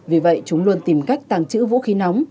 vì vậy chúng luôn tìm cách tàng trữ vũ khí nóng